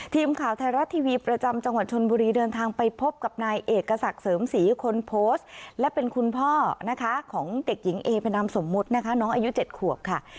ทีมข่าวไทยรัฐทีวีประจำจังหวัดชนบุรีเดินทางไปพบกับนายเอกศักดิ์เสริมศรีคนโพสต์และเป็นคุณพ่อนะคะของเด็กหญิงเอพนามสมมุตินะคะน้องอายุ๗ขวบค่ะ